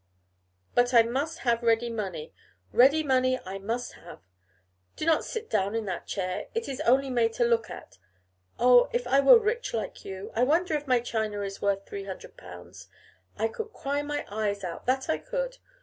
But I must have ready money; ready money I must have. Do not sit down in that chair; it is only made to look at. Oh! if I were rich, like you! I wonder if my china is worth three hundred pounds. I could cry my eyes out, that I could.